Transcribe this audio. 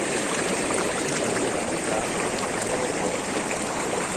Tuttavia la città ha un aeroporto.